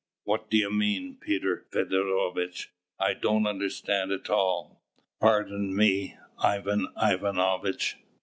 "What do you mean, Peter Feodorovitch? I don't understand at all." "Pardon me, Ivan Ivanovitch!